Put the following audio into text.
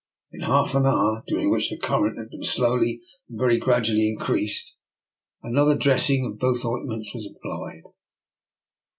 In half an hour, during which the current had been slowly and very gradually increased, an other dressing of both ointments was applied.